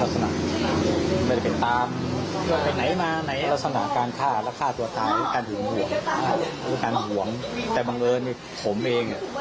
สำแทนไม่ตายก็ติดโกท์แค่นั้น